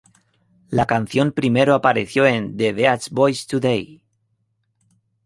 La canción primero apareció en "The Beach Boys Today!